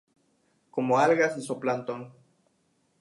Come algas y zooplancton.